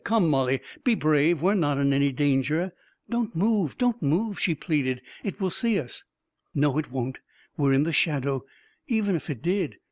" Come, Mollie, be brave ! We're not in any danger !"" Don't move ! Don't move !" she pleaded. " It will see us !" M No, it won't. We're in the shadow. Even if it did